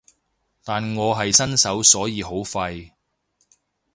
但我係新手所以好廢